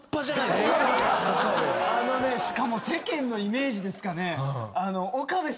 あのねしかも世間のイメージですかね。